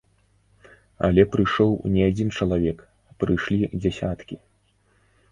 Але прыйшоў не адзін чалавек, прыйшлі дзясяткі.